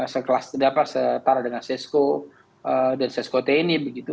sekelas setara dengan sesko dan sesko tni begitu